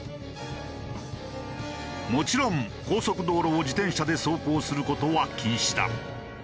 もちろん高速道路を自転車で走行する事は禁止だ。